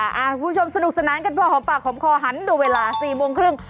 คุณผู้ชมสนุกสนานกันพอหอมปากหอมคอหันดูเวลา๔โมงครึ่ง